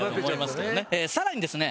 さらにですね